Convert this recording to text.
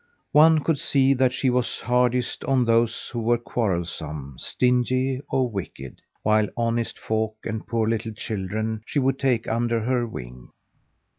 One could see that she was hardest on those who were quarrelsome, stingy, or wicked; while honest folk and poor little children she would take under her wing.